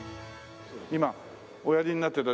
今おやりになってた。